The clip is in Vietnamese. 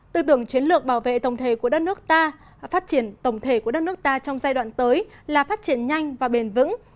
tư tưởng chiến lược bảo vệ tổng thể của đất nước ta phát triển tổng thể của đất nước ta trong giai đoạn tới là phát triển nhanh và bền vững